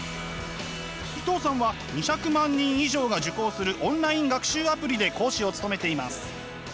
伊藤さんは２００万人以上が受講するオンライン学習アプリで講師を務めています。